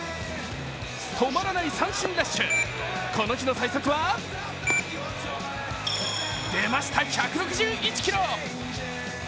止まらない三振ラッシュ、この日の最速は、出ました１６１キロ。